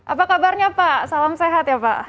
apa kabarnya pak salam sehat ya pak